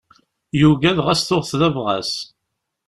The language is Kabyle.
Yugad ɣas tuɣ-t d abɣas.